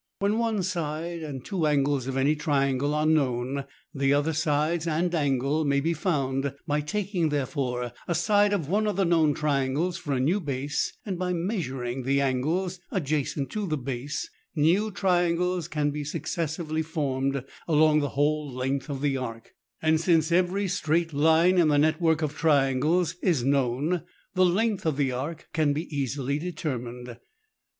When one side and two angles of any triangle are known, the other sides and angle maybe found; by taking, therefore, a side of one of the known triangles for a new base, and by measuring the angles adjacent to the base, new triangles can be suc cessively formed along the whole length of the arc ; and since every straight line in the network of triangles is known, the length of the arc can be easily determined.